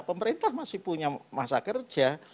pemerintah masih punya masa kerja